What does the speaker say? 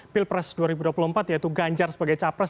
pilpres dua ribu dua puluh empat yaitu ganjar sebagai capres